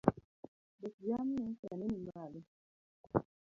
Bech jamni sani ni malo